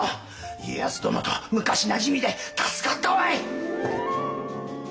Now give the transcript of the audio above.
家康殿と昔なじみで助かったわい！